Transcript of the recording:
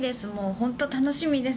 本当に楽しみです。